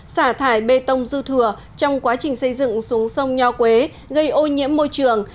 xả thải bê tông dư thừa trong quá trình xây dựng xuống sông nho quế gây ô nhiễm môi trường